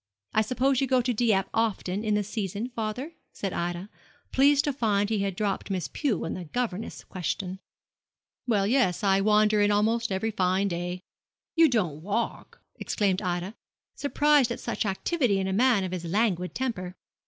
'I suppose you go to Dieppe often in the season, father?' said Ida, pleased to find he had dropped Miss Pew and the governess question. 'Well, yes; I wander in almost every fine day.' 'You don't walk?' exclaimed Ida, surprised at such activity in a man of his languid temper.